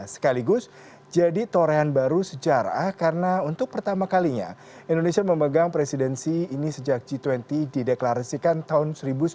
sekaligus jadi torehan baru sejarah karena untuk pertama kalinya indonesia memegang presidensi ini sejak g dua puluh dideklarasikan tahun seribu sembilan ratus sembilan puluh